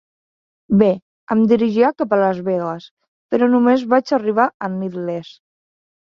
Bé, em dirigia cap a Las Vegas, però només vaig arribar a Needles.